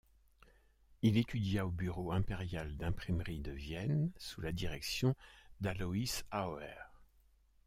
Il étudia au Bureau impérial d'imprimerie de Vienne sous la direction d'Alois Auer.